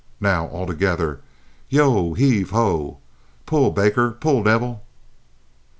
Now, all together, yo heave ho! Pull baker, pull dievle!"